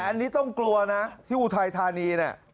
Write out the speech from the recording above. แต่อันนี้ต้องกลัวนะที่อุทัยธานี